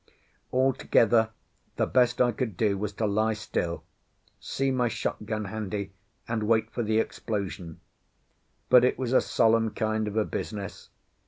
Altogether the best I could do was to lie still, see my shot gun handy, and wait for the explosion. But it was a solemn kind of a business.